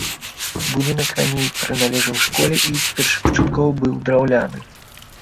Будынак раней прыналежаў школе і першапачаткова быў драўляны.